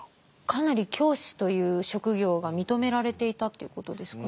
かなり教師という職業が認められていたっていうことですかね。